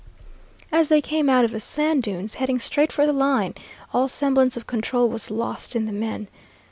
As they came out of the sand dunes, heading straight for the line, all semblance of control was lost in the men.